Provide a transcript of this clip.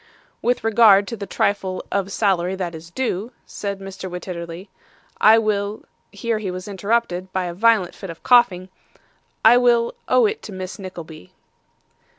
'With regard to the trifle of salary that is due,' said Mr. Wititterly, 'I will' here he was interrupted by a violent fit of coughing 'I will owe it to Miss Nickleby.